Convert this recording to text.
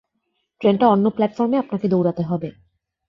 ট্রেনটা অন্য প্ল্যাটফর্মে আপনাকে দৌড়াতে হবে।